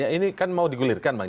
ini kan mau digulirkan bang